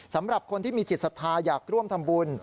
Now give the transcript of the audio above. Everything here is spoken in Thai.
สำหรับคนที่มีจิตศรัทธาอยากร่วมทำบุญ